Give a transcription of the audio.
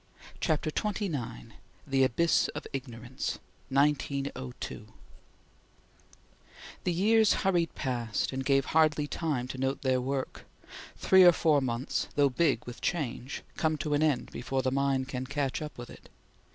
CHAPTER XXIX THE ABYSS OF IGNORANCE (1902) THE years hurried past, and gave hardly time to note their work. Three or four months, though big with change, come to an end before the mind can catch up with it.